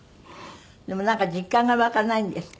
でもなんか実感が湧かないんですって？